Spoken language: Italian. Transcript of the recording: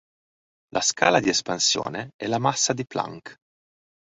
La scala di espansione è la massa di Planck.